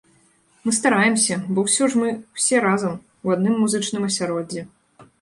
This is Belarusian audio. Мы стараемся, бо ўсё ж мы ўсе разам, у адным музычным асяроддзі.